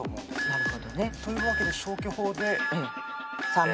なるほどね。というわけで消去法で。